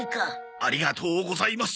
ありがとうございます。